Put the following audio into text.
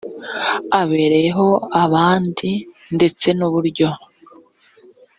abereyemo abandi ndetse n uburyo